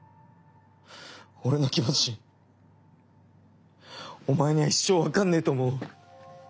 俺の気持ちお前には一生分かんねぇと思う。